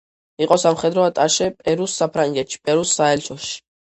იყო სამხედრო ატაშე პერუს საფრანგეთში პერუს საელჩოში.